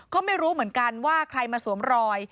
ก็ไม่รู้เหมือนกันว่าใครมาสวมรอย